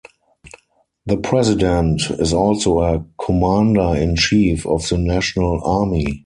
The President is also a Commander in Chief of the National Army.